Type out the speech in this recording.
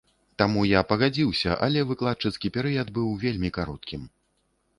Таму я і пагадзіўся, але выкладчыцкі перыяд быў вельмі кароткім.